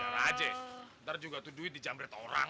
biar aja ntar juga tuh duit dijamret orang